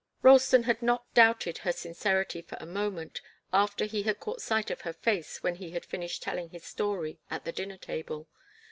Ralston had not doubted her sincerity for a moment, after he had caught sight of her face when he had finished telling his story at the dinner table.